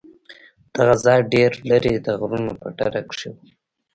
دغه ځاى ډېر لرې د غرونو په ډډه کښې و.